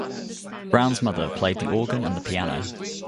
Brown's mother played the organ and the piano.